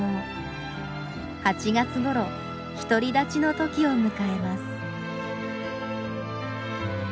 ８月ごろ独り立ちの時を迎えます。